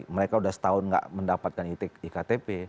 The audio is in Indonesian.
mereka sudah setahun tidak mendapatkan iktp